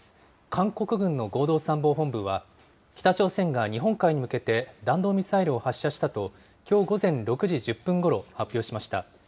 韓国軍の合同参謀本部は、北朝鮮が日本海に向けて弾道ミサイルを発射したと、きょう午前６時１０分ごろ、発表しました。